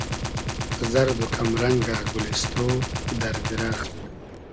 زئرد و کئم رئنگۂ گولیستۉ , دئر دیرئخت